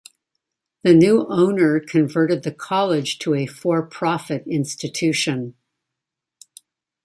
The new owner converted the college to a for-profit institution.